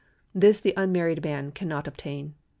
This the unmarried man can not obtain.